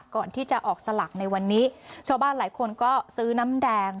ก่อนที่จะออกสลักในวันนี้ชาวบ้านหลายคนก็ซื้อน้ำแดง